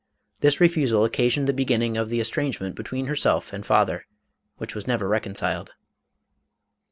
This refu sal occasioned the beginning of the estrangement be tween herself and father, which was never reconciled.